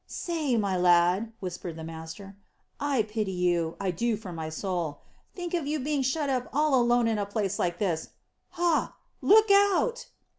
"Say, my lad," whispered the master, "I pity you I do from my soul. Think of you being shut up all alone in a place like this! Hah! Look out!"